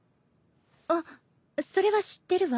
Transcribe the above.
あっそれは知ってるわ。